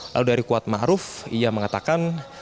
lalu dari kuatmaruf ia mengatakan